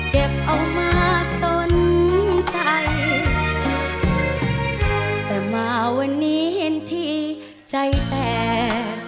เอามาสนใจแต่มาวันนี้เห็นทีใจแตก